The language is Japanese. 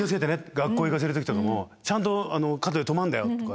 学校行かせる時とかも「ちゃんと角で止まるんだよ」とか。